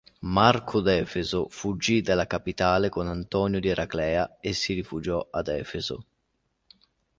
Marco d'Efeso fuggì dalla capitale con Antonio di Eraclea e si rifugiò ad Efeso.